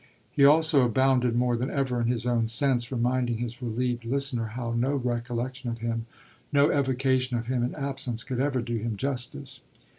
He also abounded more than ever in his own sense, reminding his relieved listener how no recollection of him, no evocation of him in absence, could ever do him justice.